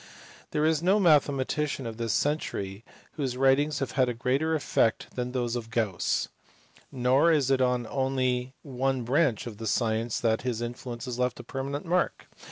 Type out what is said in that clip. There is no mathematician of this century whose writings have had a greater effect than those of Gauss ; nor is it on only one branch of the science that his influence has left a permanent mark.